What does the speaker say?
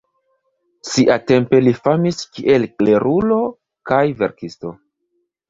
Siatempe li famis kiel klerulo kaj verkisto.